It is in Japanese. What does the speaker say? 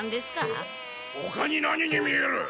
ほかに何に見える？